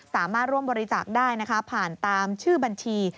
สามารถร่วมบริจาคได้นะคะผ่านตามชื่อบัญชี